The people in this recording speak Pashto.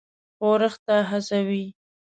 ښورښ ته وهڅوي.